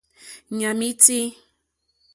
Ɲàm í tí.